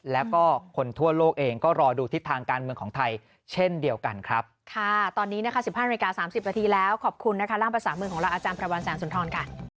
แล้วขอบคุณล่างภาษามือของเราอาจารย์พระวันศาลสุนทรค่ะ